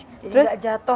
jadi tidak jatuh